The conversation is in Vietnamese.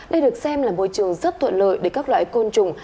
đây được xem là môi trường rất thuận lợi để các loại côn trùng